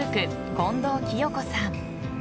近藤紀代子さん。